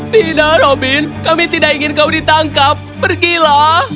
tidak robin kami tidak ingin kau ditangkap pergilah